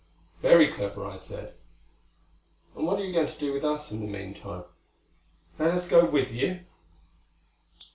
"Very clever," I said. "And what are you going to do with us in the meantime? Let us go with you."